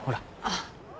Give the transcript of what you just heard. あっ。